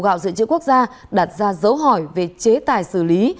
gạo dự trữ quốc gia đặt ra dấu hỏi về chế tài xử lý